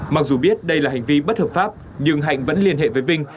mặc dù biết đây là hành vi bất hợp pháp nhưng hạnh vẫn liên hệ với vinh